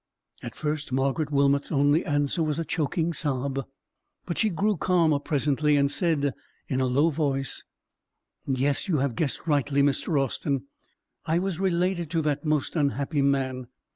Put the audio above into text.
At first Margaret Wilmot's only answer was a choking sob; but she grew calmer presently, and said, in a low voice,— "Yes, you have guessed rightly, Mr. Austin; I was related to that most unhappy man.